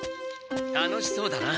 楽しそうだな。